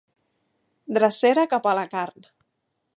Drecera cap a la carn.